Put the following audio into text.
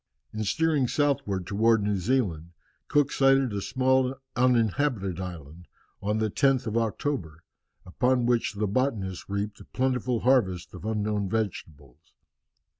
In steering southwards towards New Zealand, Cook sighted a small uninhabited island on the 10th of October, upon which the botanists reaped a plentiful harvest of unknown vegetables.